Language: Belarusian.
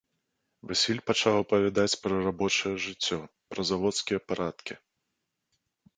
Васіль пачаў апавядаць пра рабочае жыццё, пра заводскія парадкі.